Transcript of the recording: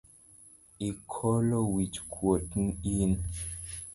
Ikolo wich kuot in.